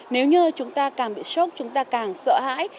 nếu như chúng ta càng bị sốc chúng ta càng sợ hãi